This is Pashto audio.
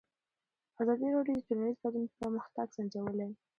ازادي راډیو د ټولنیز بدلون پرمختګ سنجولی.